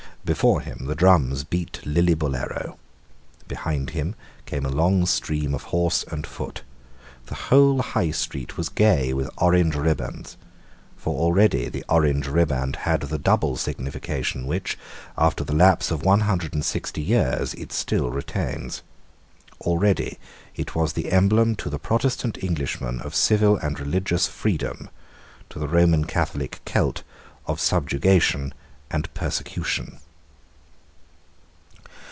Before him the drums beat Lillibullero. Behind him came a long stream of horse and foot. The whole High Street was gay with orange ribands. For already the orange riband had the double signification which, after the lapse of one hundred and sixty years, it still retains. Already it was the emblem to the Protestant Englishman of civil and religious freedom, to the Roman Catholic Celt of subjugation and persecution.